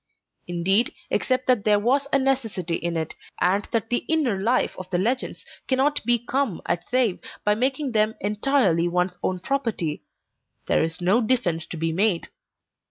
Indeed, except that there was a necessity for it and that the inner life of the legends cannot be come at save by making them entirely one's own property there is no defense to be made.